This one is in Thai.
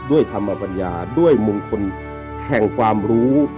ธรรมปัญญาด้วยมงคลแห่งความรู้